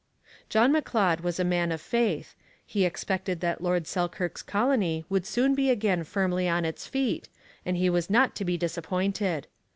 John M'Leod was a man of faith. He expected that Lord Selkirk's colony would soon be again firmly on its feet, and he was not to be disappointed.